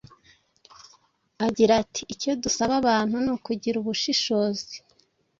Agira ati:”Icyo dusaba abantu ni ukugira ubushishozi